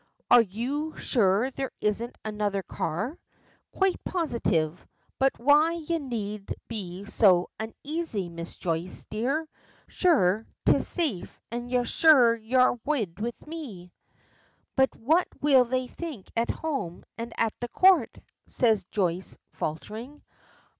"Are you sure there isn't another car?" "Quite positive. But why need ye be so unaisy, Miss Joyce, dear? Sure, 'tis safe an' sure y'are wid me." "But what will they think at home and at the Court?" says Joyce, faltering.